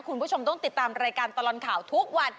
คุณผู้ชมต้องติดตามรายการตลอดข่าวทุกวัน